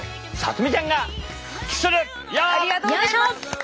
ありがとうございます。